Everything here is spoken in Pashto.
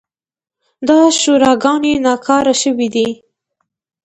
دا شوراګانې ناکاره شوې دي.